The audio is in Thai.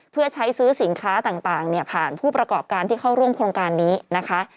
เพื่อใช้ซื้อสินค้าต่างผ่านผู้ประกอบการที่เข้าร่วมโครงการนี้นะคะ